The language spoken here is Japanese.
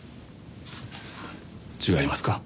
違いますか？